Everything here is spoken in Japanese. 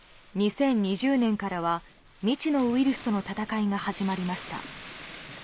２０２０年からは未知のウイルスとの闘いが始まりました。